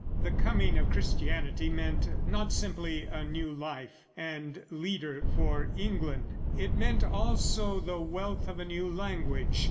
The coming of Christianity meant not simply a new life and leader for England; it meant also the wealth of a new language.